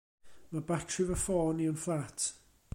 Ma' batri fy ffôn i yn fflat.